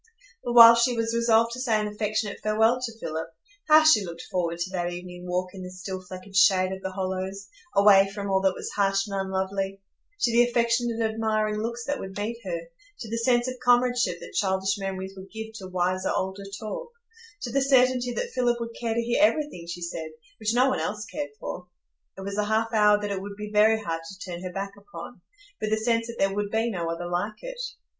But while she was resolved to say an affectionate farewell to Philip, how she looked forward to that evening walk in the still, fleckered shade of the hollows, away from all that was harsh and unlovely; to the affectionate, admiring looks that would meet her; to the sense of comradeship that childish memories would give to wiser, older talk; to the certainty that Philip would care to hear everything she said, which no one else cared for! It was a half hour that it would be very hard to turn her back upon, with the sense that there would be no other like it.